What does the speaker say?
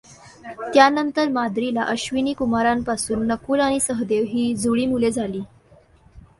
त्यानंतर माद्रीला अश्विनीकुमारांपासून नकुल आणि सहदेव ही जुळी मुले झाली.